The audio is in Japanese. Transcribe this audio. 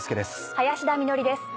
林田美学です。